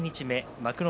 幕内